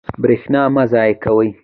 برښنا مه ضایع کوئ